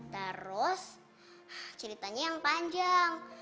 terus ceritanya yang panjang